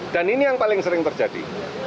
dan ini yang paling sering terjadi